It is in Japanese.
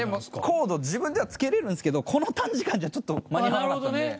コード自分ではつけれるんですけどこの短時間じゃちょっと間に合わなかったんで。